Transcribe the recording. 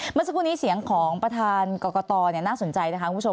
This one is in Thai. เมื่อสักครู่นี้เสียงของประธานกรกตน่าสนใจนะคะคุณผู้ชม